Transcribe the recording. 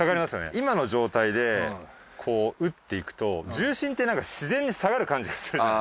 今の状態でこう打っていくと重心ってなんか自然に下がる感じがするから。